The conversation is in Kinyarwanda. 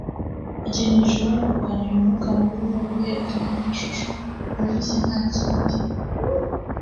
Ikintu gishobora kurwanya uyu mwuka mubi n’uguhekenya amashu mabisi nta kindi